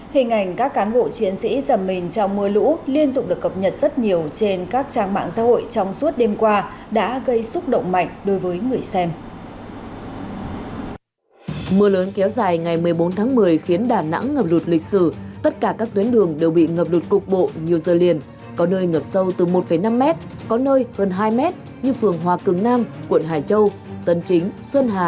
hình ảnh các cán bộ chiến sĩ giảm mình trong mưa lũ liên tục được cập nhật rất nhiều trên các trang mạng xã hội trong suốt đêm qua đã gây xúc động mạnh đối với người xem